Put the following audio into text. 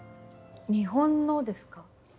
日本のですか？